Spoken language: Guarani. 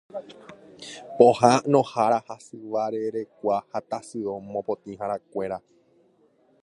Pohãnohára, hasyvarerekua ha tasyo mopotĩharakuéra